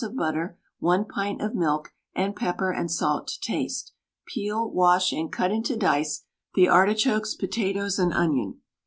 of butter, 1 pint of milk, and pepper and salt to taste. Peel, wash, and cut into dice the artichokes, potatoes, and onion.